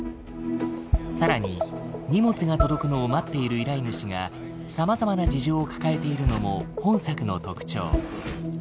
更に荷物が届くのを待っている依頼主がさまざまな事情を抱えているのも本作の特徴。